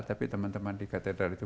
tapi teman teman di katedral itu